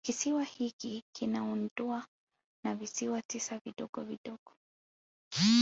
Kisiwa hiki kinaundwa na visiwa tisa vidogo vidogo